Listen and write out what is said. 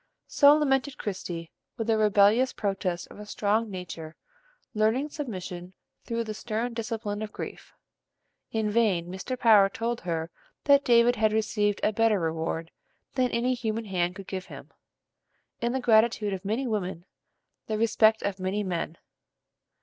So lamented Christie with the rebellious protest of a strong nature learning submission through the stern discipline of grief. In vain Mr. Power told her that David had received a better reward than any human hand could give him, in the gratitude of many women, the respect of many men.